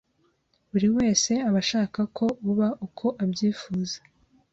Buri wese aba ashaka ko uba uko abyifuza